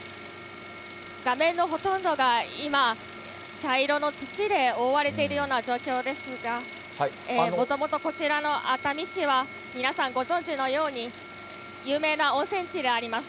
画面のほとんどが今、茶色の土で覆われているような状況ですが、もともとこちらの熱海市は、皆さんご存じのように、有名な温泉地があります。